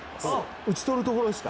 打ち取るところしか。